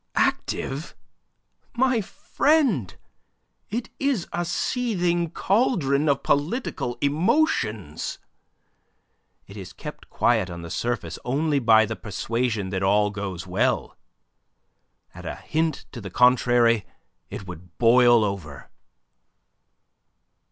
"Active! My friend, it is a seething cauldron of political emotions. It is kept quiet on the surface only by the persuasion that all goes well. At a hint to the contrary it would boil over."